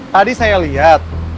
tadi saya liat